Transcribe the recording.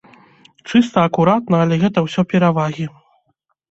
Чыста, акуратна, але гэта ўсё перавагі.